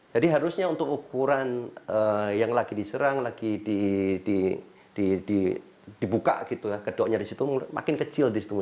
jadi harusnya untuk ukuran yang lagi diserang lagi dibuka gitu ya kedoknya di situ makin kecil di situ